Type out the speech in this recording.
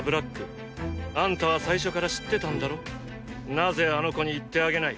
なぜあの子に言ってあげない？